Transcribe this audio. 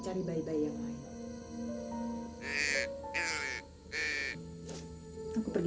dan saya akan menemukan bung